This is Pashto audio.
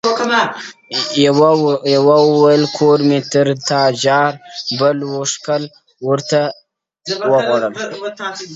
o يوه ويل کور مي تر تا جار، بل واښکى ورته وغوړاوه٫